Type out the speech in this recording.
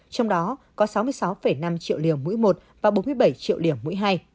trong đó có sáu mươi sáu năm triệu liều mũi một và bốn mươi bảy triệu liều mũi hai